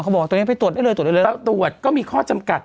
บอกตัวนี้ไปตรวจได้เลยตรวจได้เลยแล้วตรวจก็มีข้อจำกัด